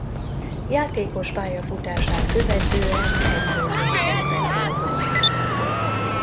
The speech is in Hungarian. Játékos-pályafutását követően edzőként kezdett dolgozni.